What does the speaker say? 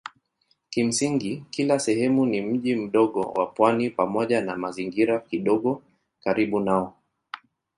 Kimsingi kila sehemu ni mji mdogo wa pwani pamoja na mazingira kidogo karibu nao.